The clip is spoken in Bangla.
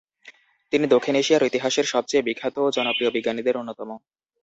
তিনি দক্ষিণ এশিয়ার ইতিহাসের সবচেয়ে বিখ্যাত ও জনপ্রিয় বিজ্ঞানীদের অন্যতম।